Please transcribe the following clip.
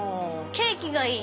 ケーキがいい。